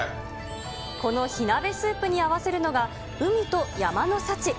この火鍋スープに合わせるのが、海と山の幸。